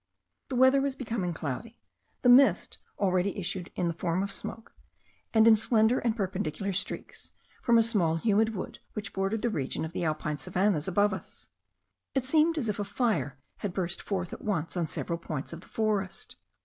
The weather was becoming cloudy; the mist already issued in the form of smoke, and in slender and perpendicular streaks, from a small humid wood which bordered the region of alpine savannahs above us. It seemed as if a fire had burst forth at once on several points of the forest.